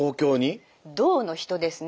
「動」の人ですね